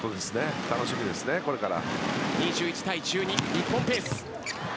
楽しみですね、これから。